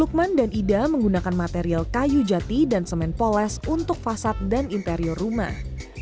lukman dan ida menggunakan material kayu jati dan semen poles untuk fasad dan interior rumah